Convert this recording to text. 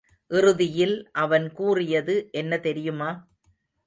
இறுதியில் அவன் கூறியது என்ன தெரியுமா?